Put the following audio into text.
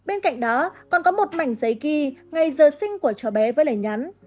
bên cạnh đó còn có một mảnh giấy ghi ngày giờ sinh của cháu bé với lời nhắn